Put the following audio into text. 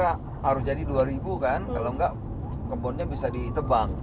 harus jadi rp dua kan kalau enggak kebunnya bisa ditebang